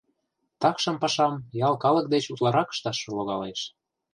Такшым пашам ял калык деч утларак ышташ логалеш.